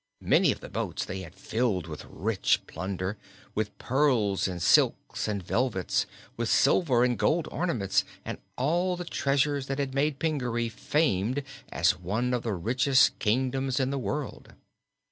Many of the boats they had filled with rich plunder, with pearls and silks and velvets, with silver and gold ornaments and all the treasure that had made Pingaree famed as one of the richest kingdoms in the world.